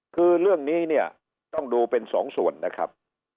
คือเรื่องนี้เนี่ยต้องดูเป็นสองส่วนนะครับ